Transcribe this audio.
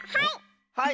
はい！